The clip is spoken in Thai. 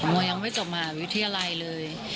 โมยังไม่จบมหาวิทยาลัยเลย